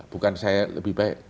bukan saya lebih baik